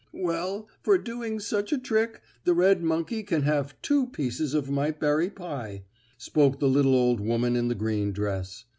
"Well, for doing such a trick, the red monkey can have two pieces of my berry pie," spoke the little old woman in the green dress.